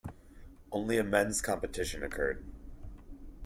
Only a men's competition occurred.